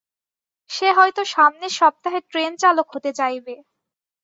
সে হয়ত সামনের সপ্তাহে ট্রেন চালক হতে চাইবে।